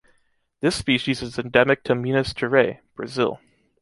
This species is endemic to Minas Gerais, Brazil.